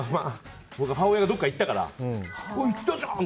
母親がどこかに行ったから行ったじゃん！って。